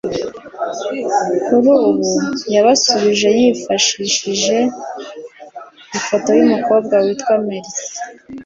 kuri ubu yabasubije yifashishije ifoto y’umukobwa witwa Merci